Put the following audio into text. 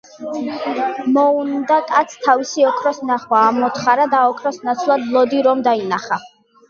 მოუნდა კაცს თავისი ოქროს ნახვა, ამოთხარა და ოქროს ნაცვლად ლოდი რომ დაინახა,